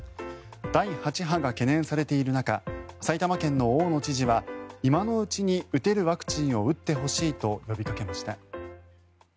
第８波が懸念される中埼玉県の大野知事は今のうちに打てるワクチンを打ってほしいと呼びかけました。